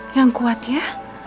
yang kuat ya